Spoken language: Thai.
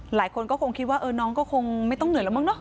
หลายคนก็คงคิดว่าน้องก็คงไม่ต้องเหนื่อยแล้วมั้